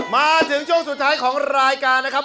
มาถึงช่วงสุดท้ายของรายการนะครับ